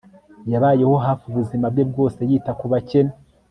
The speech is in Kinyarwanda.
yabayeho hafi ubuzima bwe bwose yita ku bakene